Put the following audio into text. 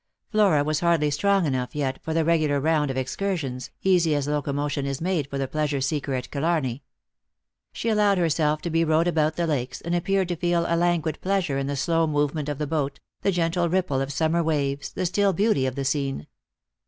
Flora was hardly strong enough, yet, for the regular round of excursions, easy as locomotion is made for the pleasure seeker at Killarney. She allowed her self to be rowed about the lakes, and appeared to feel a languid pleasure in the slow movement of the boat, the gentle ripple of summer waves, the still beauty of the scene.